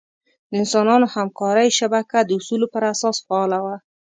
د انسانانو همکارۍ شبکه د اصولو پر اساس فعاله وه.